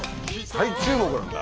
再注目なんだ？